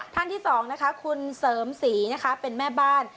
ทางที่๒นะคะคุณเสริมศรีเป็นแม่บ้าน